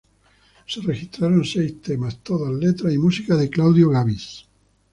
Se registraron seis temas, todos letra y música de Claudio Gabis.